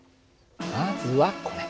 まずはこれ。